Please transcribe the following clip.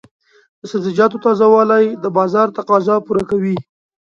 د سبزیجاتو تازه والي د بازار تقاضا پوره کوي.